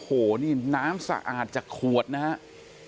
โอ้โหนี่น้ำสะอาดจากขวดนะครับ